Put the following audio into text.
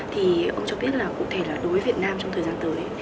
thì ông cho biết là cụ thể là đối với việt nam trong thời gian tới